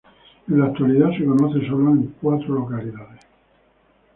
En la actualidad se conoce sólo en cuatro localidades.